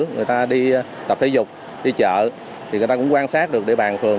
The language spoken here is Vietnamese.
người ta đi tập thể dục đi chợ thì người ta cũng quan sát được địa bàn phường